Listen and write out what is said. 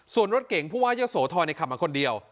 ส่วนรถเก่งผู้ว่าเยอะโสธรขับมาคนเดียว